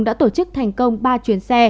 đã tổ chức thành công ba chuyến xe